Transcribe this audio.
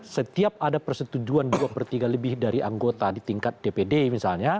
setiap ada persetujuan dua per tiga lebih dari anggota di tingkat dpd misalnya